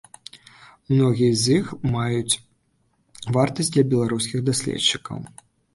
Многія з іх маюць вартасць для беларускіх даследчыкаў.